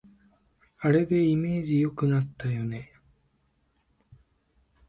あれでイメージ良くなったよね